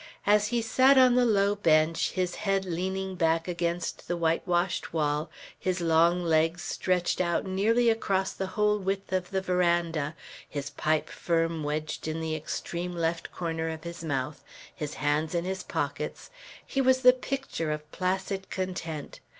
As he sat on the low bench, his head leaning back against the whitewashed wall, his long legs stretched out nearly across the whole width of the veranda, his pipe firm wedged in the extreme left corner of his mouth, his hands in his pockets, he was the picture of placid content.